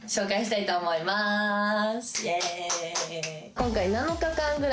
今回。